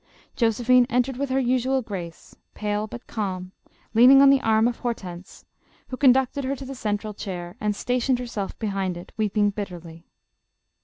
Josephine entered with her usual grace, pale but calm, leaning on the arm of Hor tense, who conducted her to the central chair, and sta tioned herself behind it, weeping bitterly.